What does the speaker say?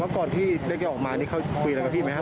แล้วก่อนที่เล็กออกมาเขาคุยอะไรกับพี่ไหมครับ